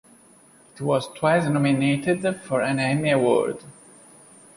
It was twice nominated for an Emmy Award.